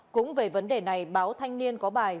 cũng về vấn đề này báo thanh niên có bài